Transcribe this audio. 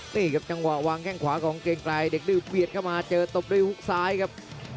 นี่ครับจังหวะวางแข้งขวาของเกรงไกลเด็กดื้อเบียดเข้ามาเจอตบด้วยฮุกซ้ายครับ